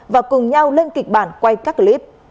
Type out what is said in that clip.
và cùng nhau lên kịch bản quay các clip